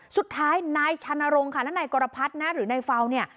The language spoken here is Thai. สุดท้ายนายชานรงค์ค่ะและนายกรพัฒน์นะหรือนายเฝ้าเนี่ย